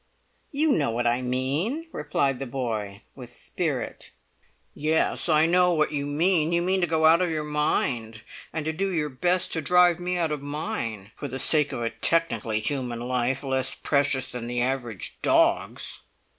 "You know what I mean," replied the boy, with spirit. "Yes, I know what you mean! You mean to go out of your mind, and to do your best to drive me out of mine, for the sake of a technically human life less precious than the average dog's!"